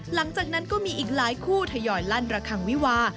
หลังจากนั้นก็มีอีกหลายคู่ทยอยลั่นระคังวิวา